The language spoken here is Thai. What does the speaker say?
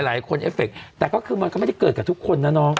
เอฟเฟคแต่ก็คือมันก็ไม่ได้เกิดกับทุกคนนะน้อง